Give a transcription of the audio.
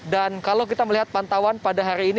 dan kalau kita melihat pantauan pada hari ini